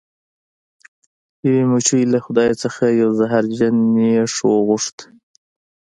یوې مچۍ له خدای څخه یو زهرجن نیش وغوښت.